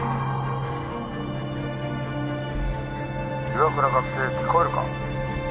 「岩倉学生聞こえるか？」。